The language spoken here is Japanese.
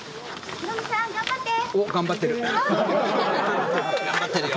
ヒロミさん、頑張ってるよ。